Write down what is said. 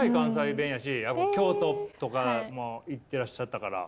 京都とかも行ってらっしゃったから。